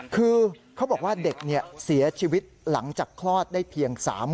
คือเขาบอกว่าเด็กเสียชีวิตหลังจากคลอดได้เพียง๓คน